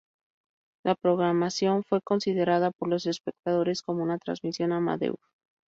La programación fue considerada por los espectadores como una transmisión "amateur".